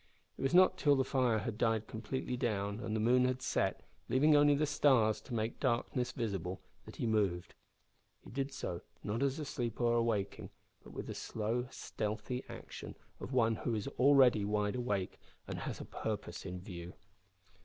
It was not till the fire had died completely down, and the moon had set, leaving only the stars to make darkness visible, that he moved. He did so, not as a sleeper awaking, but with the slow stealthy action of one who is already wide awake and has a purpose in view.